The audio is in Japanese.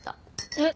えっ？